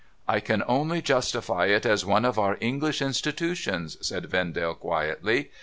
' I can only justify it as one of our English institutions,' said Vendale quietly.